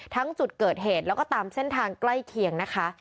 ทั้งจุดเกิดเหตุแล้วก็ตามเส้นทางใกล้เคียงนะคะ